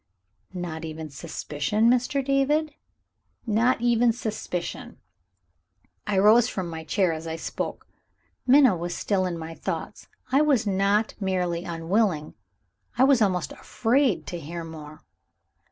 "Not even suspicion, Mr. David?" "Not even suspicion." I rose from my chair as I spoke. Minna was still in my thoughts; I was not merely unwilling, I was almost afraid to hear more.